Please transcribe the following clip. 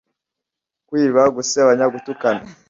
kwiba, gusebanya, gutukana